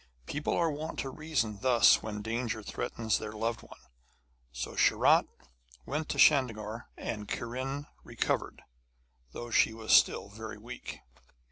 People are wont to reason thus when danger threatens their loved ones. So Sharat went to Chandernagore, and Kiran recovered, though she was still very weak.